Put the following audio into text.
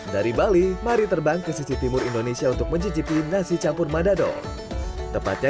dari bali mari terbang ke sisi timur indonesia untuk mencicipi nasi campur madado tepatnya